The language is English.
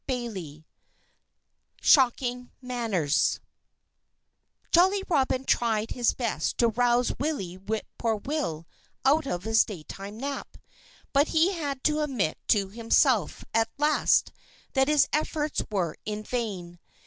XXII SHOCKING MANNERS Jolly Robin tried his best to rouse Willie Whip poor will out of his daytime nap. But he had to admit to himself at last that his efforts were in vain.